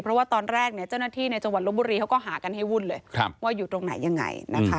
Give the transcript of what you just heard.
เพราะว่าเจ้าหน้าที่ในจังหวันโรบุรีครับเค้าก็หากันให้วุ่นอยู่ตรงไหนยังไง